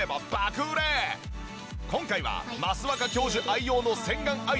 今回は益若教授愛用の洗顔アイテム。